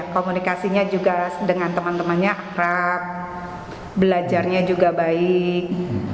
komunikasinya juga dengan teman temannya akrab belajarnya juga baik